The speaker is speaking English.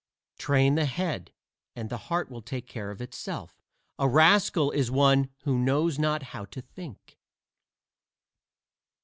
Train the head, and the heart will take care of itself; a rascal is one who knows not how to think.